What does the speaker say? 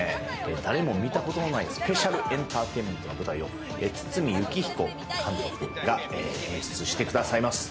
誰も見たことのないスペシャルエンターテインメントの舞台を堤幸彦監督が演出してくださいます。